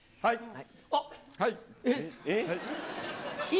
はい。